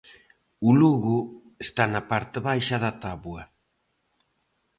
O Lugo está na parte baixa da táboa.